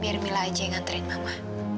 biar mila aja yang nganterin mama